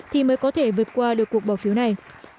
thì mới có thể vượt qua được cuộc bỏ phiếu này